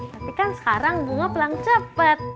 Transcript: tapi kan sekarang ibu ma pulang cepet